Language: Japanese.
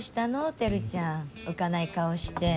輝ちゃん浮かない顔して。